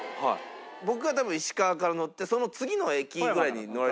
僕が多分石川から乗ってその次の駅ぐらいに乗られてるんですよね。